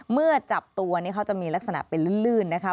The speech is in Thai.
เมื่อจับตัวนี้เขาจะมีลักษณะเป็นลื่นนะคะ